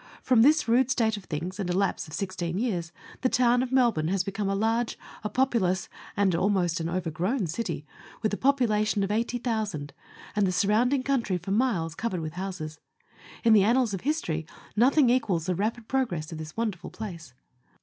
From this rude state of things and a lapse of sixteen years, the town of Melbourne has become a large, a populous, and almost an overgrown city, with a population of 80,000, and the surrounding country for miles covered with houses. In the annals of history nothing equals the rapid progress of this wonderful place.